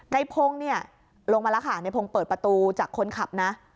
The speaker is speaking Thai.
ในพงศ์เนี่ยลงมาแล้วค่ะในพงศ์เปิดประตูจากคนขับนะ